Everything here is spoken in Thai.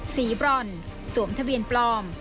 บรอนสวมทะเบียนปลอม